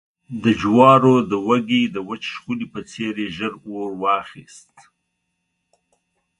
د جوارو د وږي د وچ شخولي په څېر يې ژر اور واخیست